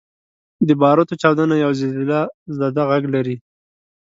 • د باروتو چاودنه یو زلزلهزده ږغ لري.